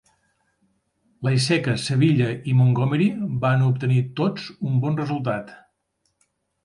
Laiseka, Sevilla i Montgomery van obtenir tots un bon resultat.